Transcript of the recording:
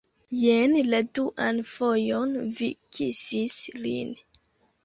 Jen la duan fojon vi kisis lin